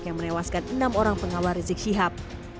yang menewaskan enam orang pengawal rizik syihab